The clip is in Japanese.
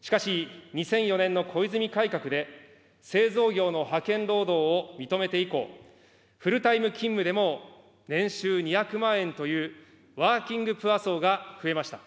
しかし、２００４年の小泉改革で、製造業の派遣労働を認めて以降、フルタイム勤務でも年収２００万円という、ワーキングプア層が増えました。